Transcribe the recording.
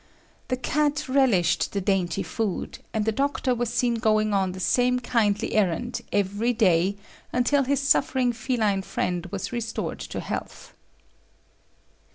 The cat relished the dainty food, and the Doctor was seen going on the same kindly errand every day until his suffering feline friend was restored to health.